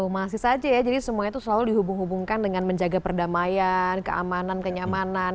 masih saja ya jadi semuanya itu selalu dihubung hubungkan dengan menjaga perdamaian keamanan kenyamanan